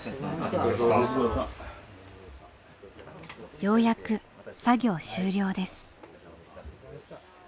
ようやく作業終了です。